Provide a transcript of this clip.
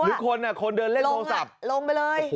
หรือคนคนเดินเล่นโทรศัพท์ลงไปเลย